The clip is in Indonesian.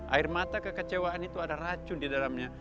air mata kekecewaan itu ada racun di dalamnya